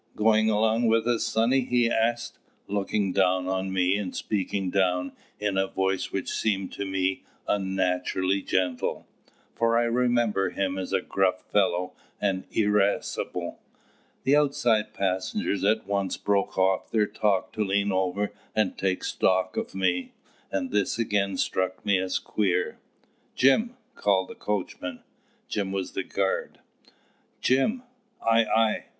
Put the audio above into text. Going along wi' us, sonny?" he asked, looking down on me and speaking down in a voice which seemed to me unnaturally gentle for I remembered him as a gruff fellow and irascible. The outside passengers at once broke off their talk to lean over and take stock of me; and this again struck me as queer. "Jim!" called the coachman (Jim was the guard). "Jim!" "Ay, ay!"